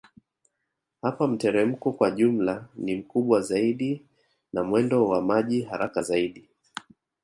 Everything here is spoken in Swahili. Hapa mteremko kwa jumla ni mkubwa zaidi na mwendo wa maji haraka zaidi